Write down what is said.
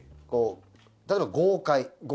例えば豪快。